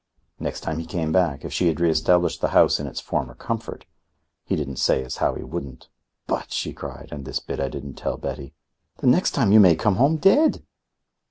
Next time he came back, if she had re established the home in its former comfort, he didn't say as how he wouldn't "But," she cried and this bit I didn't tell Betty "the next time you may come home dead!"